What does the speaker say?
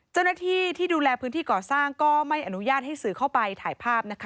เจ้าหน้าที่ที่ดูแลพื้นที่ก่อสร้างก็ไม่อนุญาตให้สื่อเข้าไปถ่ายภาพนะคะ